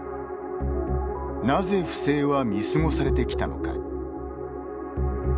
なぜ不正は見過ごされてきたのか。